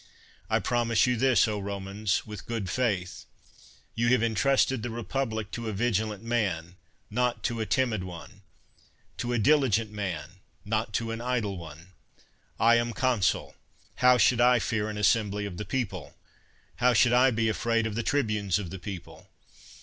I prom ise you this, O Romans, with good faith; you have entrusted the republic to a vigilant man, not to a timid one; to a diligent man, not to an idle one. I am consul; how should I fear an assembly of the people ? How I should be afraid of the tribunes of the people?